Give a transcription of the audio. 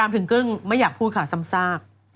ถึงกึ้งไม่อยากพูดค่ะซ้ำซาก